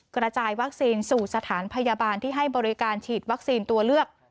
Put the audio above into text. กระจายวัคซีนสู่สถานพยาบาลที่ให้บริการฉีดวัคซีนตัวเลือก